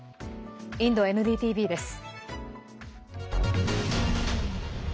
インドＮＤＴＶです。